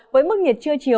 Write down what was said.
với mức nhiệt trưa chiều